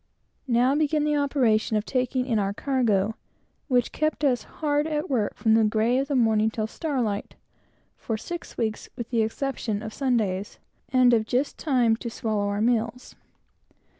Now began the operation of taking in our cargo, which kept us hard at work, from the grey of the morning till star light, for six weeks, with the exception of Sundays, and of just time to swallow our meals.